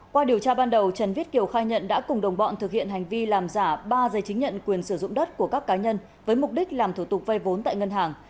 qua điều tra ban đầu trần viết kiều khai nhận đã cùng đồng bọn thực hiện hành vi làm giả ba giấy chứng nhận quyền sử dụng đất của các cá nhân với mục đích làm thủ tục vay vốn tại ngân hàng